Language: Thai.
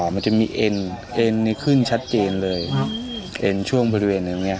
มันจะมีเอ็นเอ็นนี้ขึ้นชัดเจนเลยเอ็นช่วงบริเวณตรงนี้